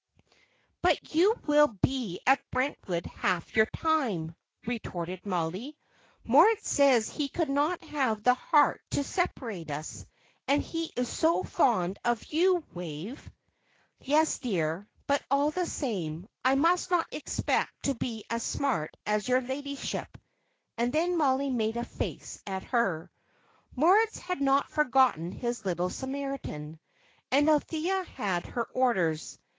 "But you will be at Brentwood half your time," retorted Mollie. "Moritz says he could not have the heart to separate us; and he is so fond of you, Wave." "Yes, dear; but all the same, I must not expect to be as smart as your ladyship." And then Mollie made a face at her. Moritz had not forgotten his little Samaritan, and Althea had her orders.